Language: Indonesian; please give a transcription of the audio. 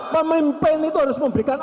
pemimpin itu harus memberikan